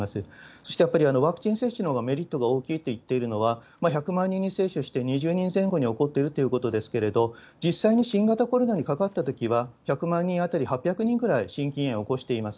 そしてやっぱりワクチン接種のほうがメリットが大きいといっているのは、１００万人に接種して２０人前後に起こってるということですけれども、実際に新型コロナにかかったときは、１００万人当たり８００人くらい心筋炎を起こしています。